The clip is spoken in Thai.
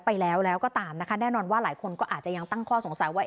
ไปแล้วแล้วก็ตามนะคะแน่นอนว่าหลายคนก็อาจจะยังตั้งข้อสงสัยว่า